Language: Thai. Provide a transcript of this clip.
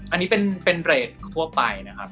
อันนี้เป็นเบรกทั่วไปนะครับ